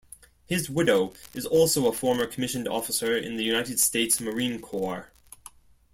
His widow is also a former commissioned officer in the United States Marine Corps.